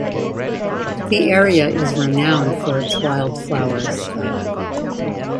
The area is renowned for its wildflowers.